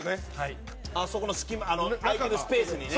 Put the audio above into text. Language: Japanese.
山崎：そこの隙間空いてるスペースにね。